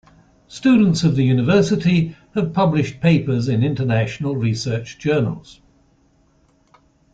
Students of the University have published papers in international research journals.